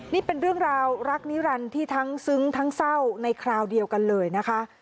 นี่เป็นเรื่องราวรักนิรันดิ์ที่ทั้งซึ้งทั้งเศร้าในคราวเดียวกันเลยนะคะ